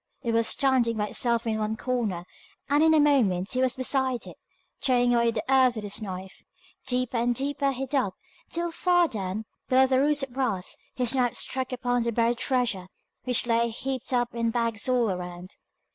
It was standing by itself in one corner, and in a moment he was beside it, tearing away the earth with his knife. Deeper and deeper he dug, till far down, below the roots of brass, his knife struck upon the buried treasure, which lay heaped up in bags all around.